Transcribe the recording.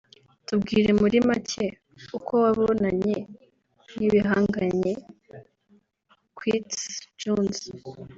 Tubwire muri make uko wabonanye n’ibihangange Quincy jones